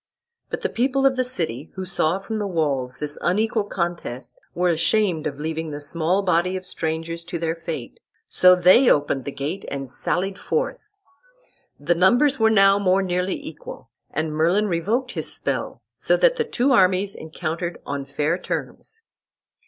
But the people of the city, who saw from the walls this unequal contest, were ashamed of leaving the small body of strangers to their fate, so they opened the gate and sallied forth. The numbers were now more nearly equal, and Merlin revoked his spell, so that the two armies encountered on fair terms.